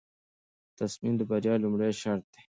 تصمیم د بریا لومړی شرط دی.